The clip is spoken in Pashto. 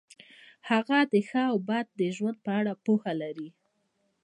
هغه د ښه او بد ژوند په اړه پوهه لري.